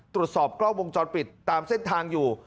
ตรวจสอบกล้องวงจรปิดตามเส้นทางอยู่